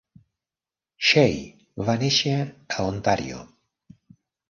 Shea va néixer a Ontàrio.